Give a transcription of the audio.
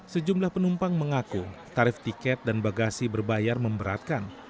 sejumlah penumpang mengaku tarif tiket dan bagasi berbayar memberatkan